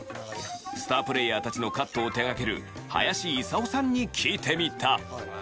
スタープレーヤーたちのカットを手がける林勲さんに聞いてみた。